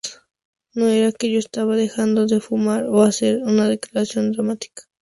No era que yo estaba dejando de fumar o hacer una declaración dramática.